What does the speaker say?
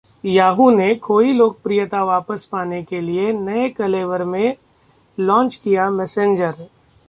Yahoo ने खोई लोकप्रियता वापस पाने के लिए नए कलेवर में लॉन्च किया मैसेंजर